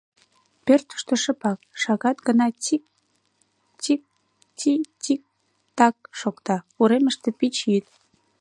Пӧртыштӧ шыпак, шагат гына тик-тик-ти-тик-так шокта, Уремыште пич йӱд.